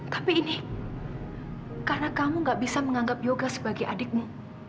tapi ini karena kamu gak bisa menganggap yoga sebagai adikmu